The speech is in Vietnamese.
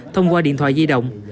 thông qua điện thoại di động